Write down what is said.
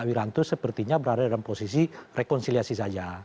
pak wiranto sepertinya berada dalam posisi rekonsiliasi saja